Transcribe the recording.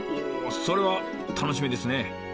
おそれは楽しみですね！